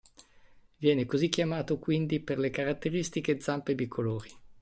Viene così chiamato quindi per le caratteristiche zampe bicolori.